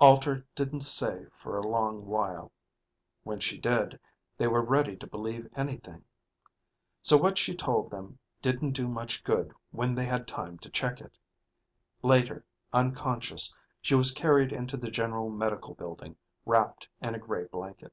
Alter didn't say for a long while; when she did, they were ready to believe anything. So what she told them didn't do much good when they had time to check it. Later, unconscious, she was carried into the General Medical building wrapped in a gray blanket.